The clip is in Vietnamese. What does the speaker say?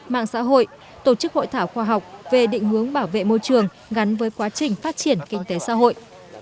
mạng xã hội tổ chức hội thảo khoa học về định hướng bảo vệ môi trường gắn với quá trình phát triển kinh tế xã hội